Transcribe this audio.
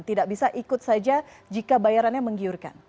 tidak bisa ikut saja jika bayarannya menggiurkan